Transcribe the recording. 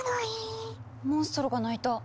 モンストロが鳴いた。